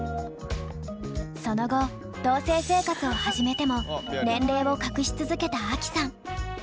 その後同棲生活を始めても年齢を隠し続けたアキさん。